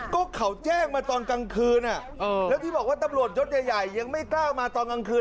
ก็เขาแจ้งมาตอนกลางคืนแล้วที่บอกว่าตำรวจยศใหญ่ยังไม่กล้ามาตอนกลางคืน